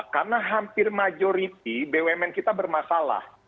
karena hampir majority bumn kita bermasalah